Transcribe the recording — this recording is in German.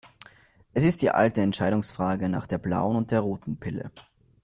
Es ist die alte Entscheidungsfrage nach der blauen und der roten Pille.